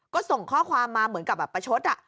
ก็ส่งข้อความมาเหมือนกับแบบประชด